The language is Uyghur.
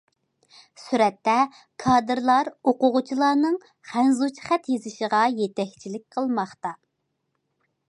سۈرەتتە: كادىرلار ئوقۇغۇچىلارنىڭ خەنزۇچە خەت يېزىشىغا يېتەكچىلىك قىلماقتا.